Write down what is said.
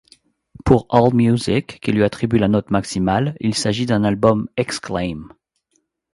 Pour AllMusic, qui lui attribue la note maximale, il s'agit d'un album Exclaim!